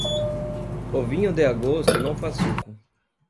O vinho de agosto não faz suco.